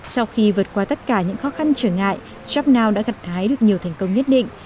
sau khi vượt qua tất cả những khó khăn trở ngại jobnow đã gặt thái được nhiều thành công nhất định